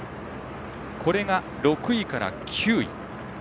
これが６位から９位。